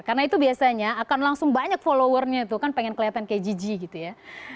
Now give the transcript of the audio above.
karena itu biasanya akan langsung banyak followernya tuh kan pengen kelihatan kayak gigi gitu ya